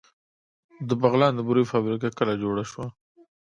د بغلان د بورې فابریکه کله جوړه شوه؟